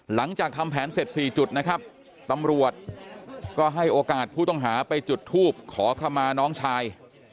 หลังจากทำแผนเสร็จ๔จุดนะครับตำรวจก็ให้โอกาสผู้ต้องหาไปจุดทูบขอขมาน้องชาย